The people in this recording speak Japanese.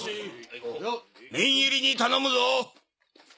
念入りに頼むぞ！